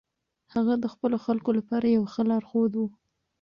هغه د خپلو خلکو لپاره یو ښه لارښود و.